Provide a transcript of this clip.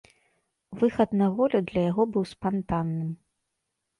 Выхад на волю для яго быў спантанным.